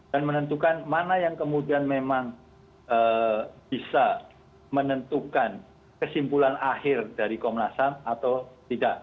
dan menentukan mana yang kemudian memang bisa menentukan kesimpulan akhir dari komnas ham atau tidak